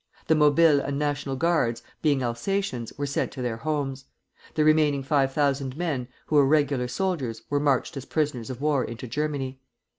The Mobiles and National Guards, being Alsatians, were sent to their homes; the remaining five thousand men, who were regular soldiers, were marched as prisoners of war into Germany.